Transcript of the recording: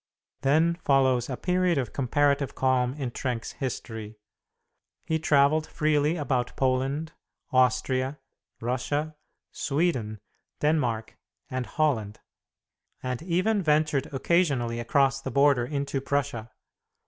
Then follows a period of comparative calm in Trenck's history. He travelled freely about Poland, Austria, Russia, Sweden, Denmark and Holland, and even ventured occasionally across the border into Prussia.